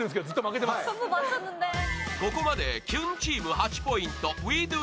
ここまでキュンチーム８ポイント Ｗｅｄｏ！